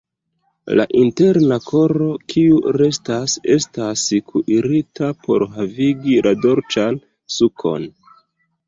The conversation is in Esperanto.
La interna koro kiu restas estas kuirita por havigi la dolĉan sukon.